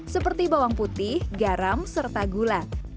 seperti bawang putih garam serta gula